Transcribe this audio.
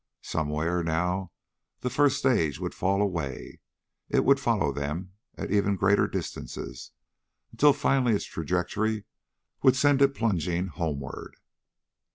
Somewhere, now, the first stage would fall away. It would follow them, at ever greater distances, until finally its trajectory would send it plunging homeward.